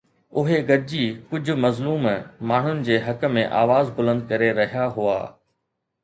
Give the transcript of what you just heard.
اهي گڏجي ڪجهه مظلوم ماڻهن جي حق ۾ آواز بلند ڪري رهيا هئا.